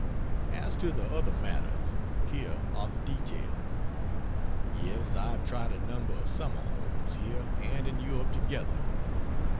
As to the other matters, here are the details. Yes, I have tried a number of summer homes, here and in Europe together.